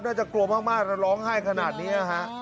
น่าจะกลัวมากแล้วร้องไห้ขนาดนี้นะฮะ